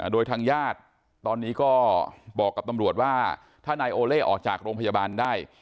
โดยทางญาติตอนนี้ก็บอกกับตำรวจว่าถ้านายโอเล่ออกจากโรงพยาบาลได้